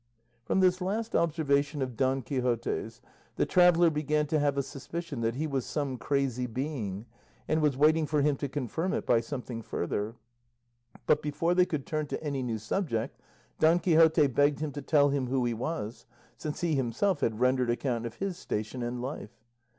From this last observation of Don Quixote's, the traveller began to have a suspicion that he was some crazy being, and was waiting for him to confirm it by something further; but before they could turn to any new subject Don Quixote begged him to tell him who he was, since he himself had rendered account of his station and life.